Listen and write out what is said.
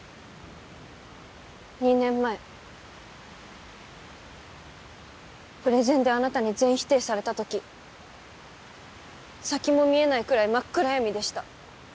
２年前プレゼンであなたに全否定された時先も見えないくらい真っ暗闇でした。